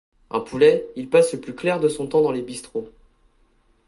Un poulet, il passe le plus clair de son temps dans les bistrots.